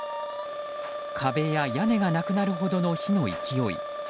壁や屋根がなくなるほどの火の勢い。